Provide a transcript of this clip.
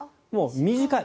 短い。